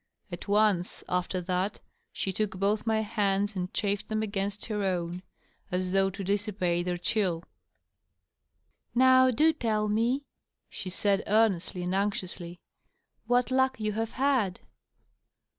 At once, after that, she took both my hands and chafed ^em against her own, as though to dissipate their chill. " Now do tell me," she said, earnestly and anxiously, " what luck you have had."